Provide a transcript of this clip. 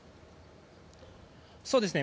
そうですね。